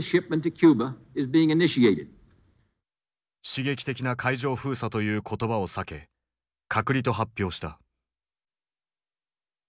刺激的な「海上封鎖」という言葉を避け「隔離」と発表した。